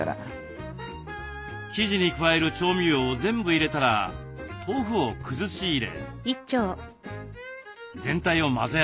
生地に加える調味料を全部入れたら豆腐を崩し入れ全体を混ぜ合わせます。